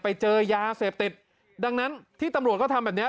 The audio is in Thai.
ไปเจอยาเสพติดดังนั้นที่ตำรวจก็ทำแบบเนี้ย